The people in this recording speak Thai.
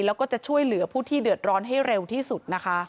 แล้วก็จะช่วยเหลือผู้ที่เดือดร้อนให้เร็วที่สุดนะคะ